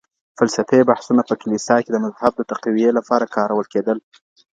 فلسفي بحثونه په کليسا کي د مذهب د تقويې لپاره کارول کيدل.